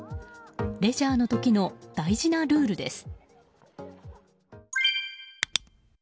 レジャーの時の大事なルールです。